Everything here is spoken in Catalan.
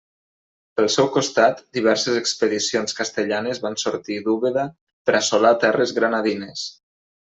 Pel seu costat diverses expedicions castellanes van sortir d'Úbeda per assolar terres granadines.